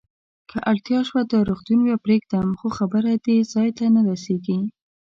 که اړتیا شوه، دا روغتون به پرېږدم، خو خبره دې ځای ته نه رسېږي.